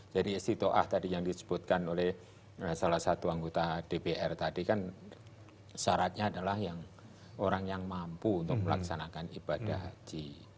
jadi istiqa'ah tadi yang disebutkan oleh salah satu anggota dpr tadi kan syaratnya adalah orang yang mampu untuk melaksanakan ibadah haji